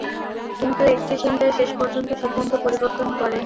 কিন্তু একটি চিন্তায় শেষ পর্যন্ত সিদ্ধান্ত পরিবর্তন করেন।